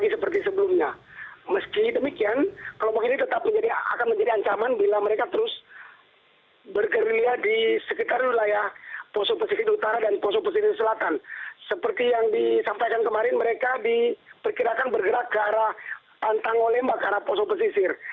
seperti yang disampaikan kemarin mereka diperkirakan bergerak ke arah pantang olemba ke arah poso pesisir